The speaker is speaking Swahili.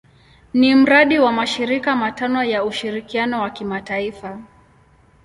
Ni mradi wa mashirika matano ya ushirikiano wa kimataifa.